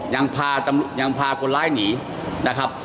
ยังพาคนร้ายหนีนะครับ